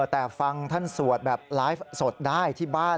แต่ฟังท่านสวดแบบไลฟ์สดได้ที่บ้าน